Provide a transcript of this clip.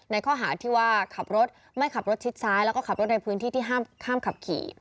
ข้อหาที่ว่าขับรถไม่ขับรถชิดซ้ายแล้วก็ขับรถในพื้นที่ที่ห้ามขับขี่